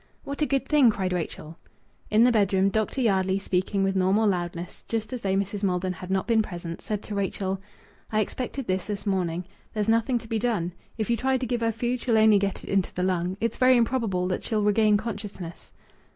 "What a good thing!" cried Rachel. In the bedroom Dr. Yardley, speaking with normal loudness, just as though Mrs. Maldon had not been present, said to Rachel "I expected this this morning. There's nothing to be done. If you try to give her food she'll only get it into the lung. It's very improbable that she'll regain consciousness."